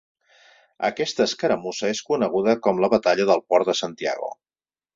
Aquesta escaramussa és coneguda com la batalla del Port de Santiago.